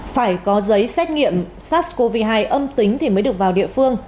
phải có giấy xét nghiệm sars cov hai âm tính thì mới được vào địa phương